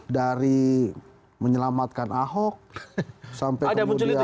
dari menyelamatkan ahok sampai kemudian